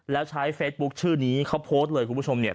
แล้วใช้เฟซบุ๊คชื่อนี้เขาโพสต์เลยคุณผู้ชมเนี่ย